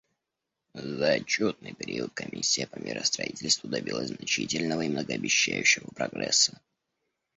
За отчетный период Комиссия по миростроительству добилась значительного и многообещающего прогресса.